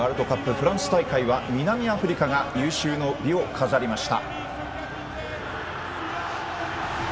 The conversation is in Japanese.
フランス大会は南アフリカが有終の美を飾りました。